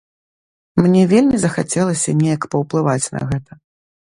Мне вельмі захацелася неяк паўплываць на гэта.